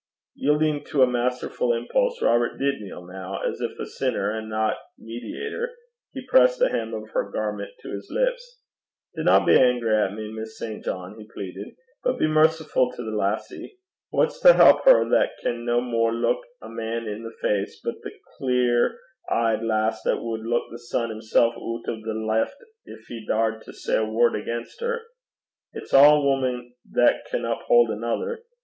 Yielding to a masterful impulse, Robert did kneel now. As if sinner, and not mediator, he pressed the hem of her garment to his lips. 'Dinna be angry at me, Miss St. John,' he pleaded, 'but be mercifu' to the lassie. Wha's to help her that can no more luik a man i' the face, but the clear e'ed lass that wad luik the sun himsel' oot o' the lift gin he daured to say a word against her. It's ae woman that can uphaud anither.